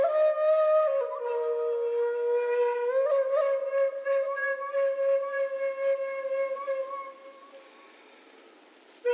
สวัสดีครับ